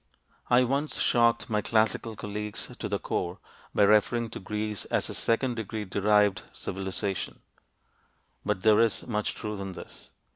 I once shocked my Classical colleagues to the core by referring to Greece as "a second degree derived civilization," but there is much truth in this.